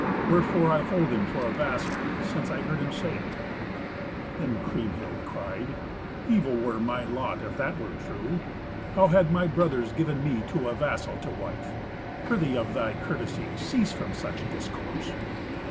Wherefore I hold him for a vassal, since I heard him say it." Then Kriemhild cried, "Evil were my lot if that were true. How had my brothers given me to a vassal to wife? Prithee, of thy courtesy, cease from such discourse."